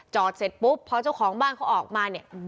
เสร็จปุ๊บพอเจ้าของบ้านเขาออกมาเนี่ย